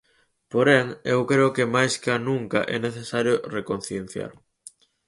Porén, eu creo que máis ca nunca é necesario reconcienciar.